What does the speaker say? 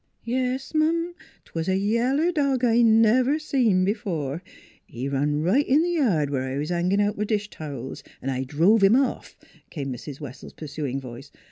" Yes'm, 'twas a yeller dog I never seen b'fore; he run right in th' yard where I was hangin' out m' dish towels an' I drove 'im off," came Mrs. Wessell's pursuing voice.